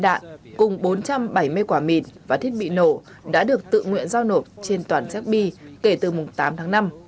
sáu vũ khí chưa đăng ký ba trăm linh viên đạn cùng bốn trăm bảy mươi quả mịn và thiết bị nộ đã được tự nguyện giao nộp trên toàn zb kể từ tám tháng năm